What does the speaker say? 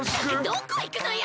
どこいくのよ！